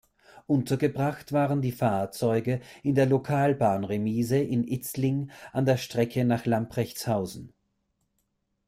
Untergebracht waren die Fahrzeuge in der Lokalbahn-Remise in Itzling an der Strecke nach Lamprechtshausen.